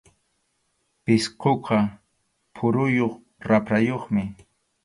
Pisquqa phuruyuq raprayuqmi.